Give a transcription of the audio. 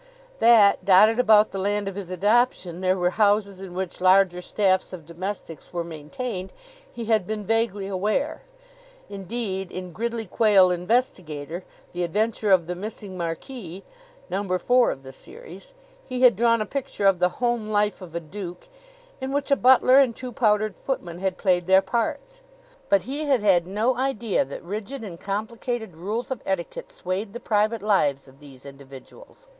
That, dotted about the land of his adoption, there were houses in which larger staffs of domestics were maintained, he had been vaguely aware. Indeed, in "Gridley Quayle, Investigator; the Adventure of the Missing Marquis" number four of the series he had drawn a picture of the home life of a duke, in which a butler and two powdered footmen had played their parts; but he had had no idea that rigid and complicated rules of etiquette swayed the private lives of these individuals.